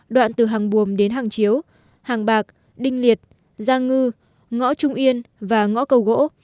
đoạn từ hàng buồm đến hàng chiếu hàng bạc đinh liệt gia ngư ngõ trung yên và ngõ cầu gỗ